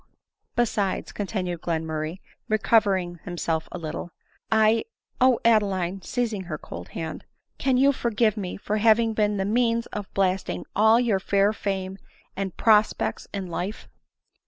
" Besides," continued Glenmurray, recovering himself a little, " I— O Adeline !" seizing her cold hand, M can you forgive me for having been the means of blasting all your fair fame and prospects in life